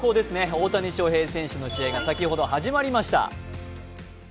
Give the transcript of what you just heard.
大谷翔平選手の試合が先ほど始まりました。